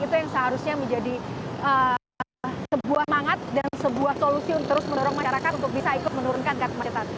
itu yang seharusnya menjadi sebuah mangat dan sebuah solusi untuk terus mendorong masyarakat untuk bisa ikut menurunkan kemacetan